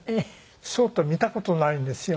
ショーって見た事ないんですよ。